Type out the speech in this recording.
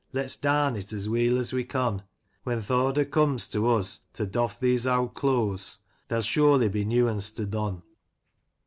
Let's dam it as weel as we con ; When th' order comes to us To dofif these owd clooas, There'll surely be new uns to don.